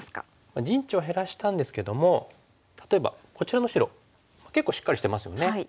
陣地を減らしたんですけども例えばこちらの白結構しっかりしてますよね。